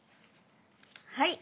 はい。